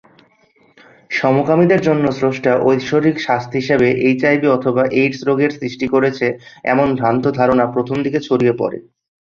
সমকামীদের জন্য স্রষ্টা ঐশ্বরিক শাস্তি হিসেবে এইচআইভি/এইডস রোগের সৃষ্টি করেছে-এরকম ভ্রান্ত ধারণা প্রথমদিকে ছড়িয়ে পরে।